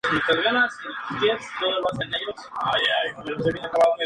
Fue vasallo del emperador búlgaro Iván Alejandro.